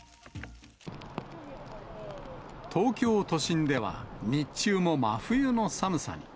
東京都心では、日中も真冬の寒さに。